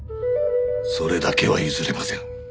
それだけは譲れません。